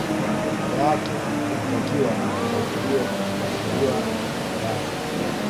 Dada yake ilitakiwa watangulie kutahiriwa wa dada